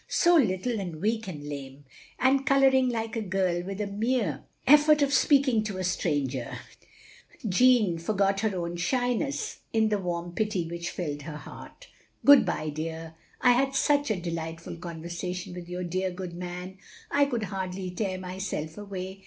so little and weak and lame ; and colouring like a girl with the mere effort of speaking to a stranger. Jeanne forgot her own OP GROSVENOR SQUARE loi shyness in the warm pity which filled her heart. "Good bye, dear, I had such a delightful con versation with yoiir dear good man, I could hardly tear myself away.